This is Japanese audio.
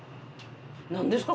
何ですか？